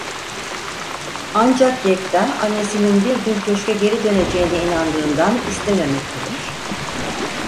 Ancak Yekta annesinin bir gün köşke geri döneceğine inandığından istememektedir.